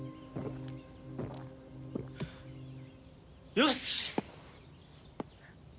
よし！